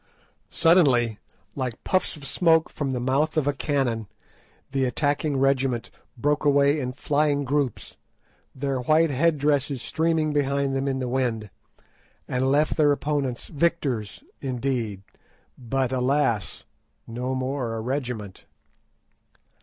Suddenly, like puffs of smoke from the mouth of a cannon, the attacking regiment broke away in flying groups, their white head dresses streaming behind them in the wind, and left their opponents victors, indeed, but, alas! no more a regiment.